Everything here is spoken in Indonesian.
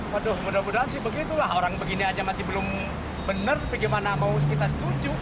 waduh mudah mudahan sih begitulah orang begini aja masih belum benar bagaimana mau kita setuju